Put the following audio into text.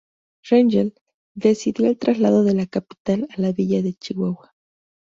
Rengel decidió el traslado de la capital a la villa de Chihuahua.